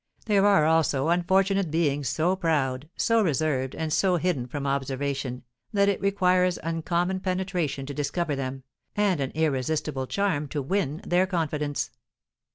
There are, also, unfortunate beings so proud, so reserved, and so hidden from observation, that it requires uncommon penetration to discover them, and an irresistible charm to win their confidence."